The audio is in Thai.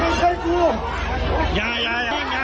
ยุดเฮ้ยเฮ้ยเฮ้ยเฮ้ยเฮ้ย